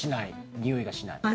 においがしない？